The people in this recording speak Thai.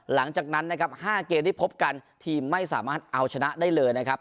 หลังจากนั้นนะครับ๕เกมที่พบกันทีมไม่สามารถเอาชนะได้เลยนะครับ